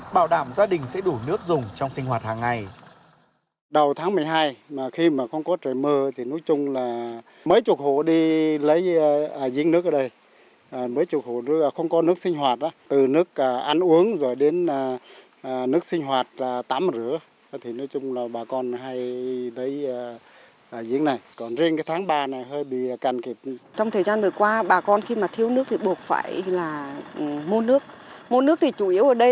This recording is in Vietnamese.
bảo đảm gia đình sẽ đủ nước dùng trong sinh hoạt hàng ngày